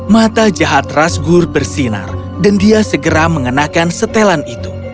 mata jahat rasgur bersinar dan dia segera mengenakan setelan itu